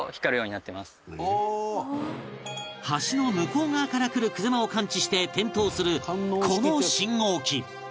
橋の向こう側から来る車を感知して点灯するこの信号機